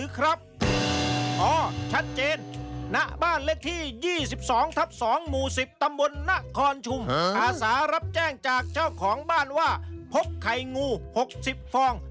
ข้อมูลของบ้านว่าพบไข่งู๖๐ฟอง